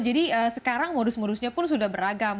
jadi sekarang modus modusnya pun sudah beragam